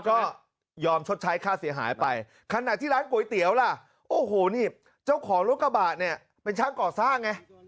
ก็ยอมชดใช้ค่าเสียหายไปขณะที่ร้านก๋วยเตี๋ยวล่ะโอ้โหนี่เจ้าของรถกระบะเนี่ยเป็นช่างก่อสร้างไง